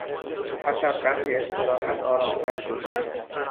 پس از قدری استراحت آرامتر شد.